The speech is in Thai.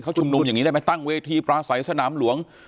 ชุมนุมอย่างนี้ได้ไหมตั้งเวทีปราศัยสนามหลวง